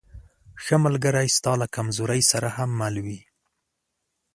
ښه ملګری ستا له کمزورۍ سره هم مل وي.